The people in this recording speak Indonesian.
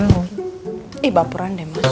eh bapuran deh mas